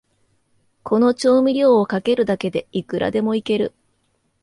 この調味料をかけるだけで、いくらでもイケる